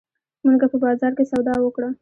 مونږه په بازار کښې سودا وکړه